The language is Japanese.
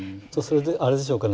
あれでしょうかね。